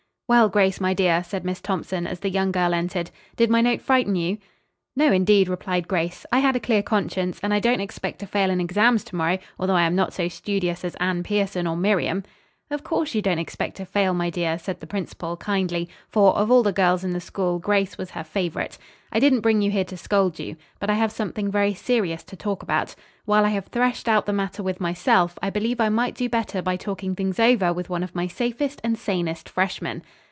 "Well, Grace, my dear," said Miss Thompson, as the young girl entered, "did my note frighten you?" "No, indeed," replied Grace; "I had a clear conscience and I don't expect to fail in exams to morrow, although I am not so studious as Anne Pierson or Miriam." "Of course you don't expect to fail, my dear," said the principal, kindly, for, of all the girls in the school, Grace was her favorite. "I didn't bring you here to scold you. But I have something very serious to talk about. While I have threshed out the matter with myself, I believe I might do better by talking things over with one of my safest and sanest freshman."